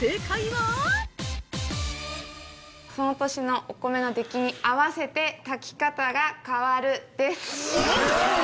◆その年のお米のできに合わせて炊き方が変わるです。